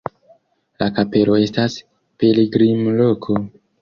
La kapelo estas pilgrimloko.